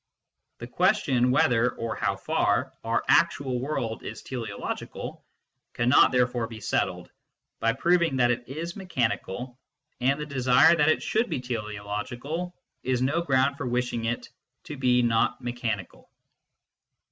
The question whether, or how far, our actual world is teleological, cannot, therefore, be settled by proving that it is mechani cal, and the desire that it should be teleological is no ground for wishing it to be not mechanical.